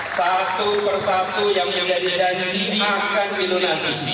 satu persatu yang menjadi janji akan dilunasi